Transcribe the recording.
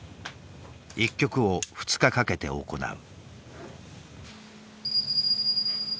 １局を２日かけて行う。